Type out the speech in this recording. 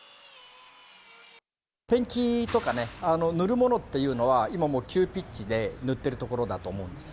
ペンキとかね、塗るものっていうのは、今もう急ピッチで塗ってるところだと思うんです。